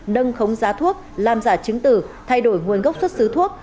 nâng khống giá thuốc làm giả chứng tử thay đổi nguồn gốc xuất xứ thuốc